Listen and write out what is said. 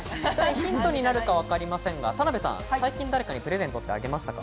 ヒントになるか分かりませんが、田辺さん、最近、誰かにプレゼントあげましたか？